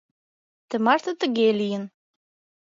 Тымарте тыге лийын.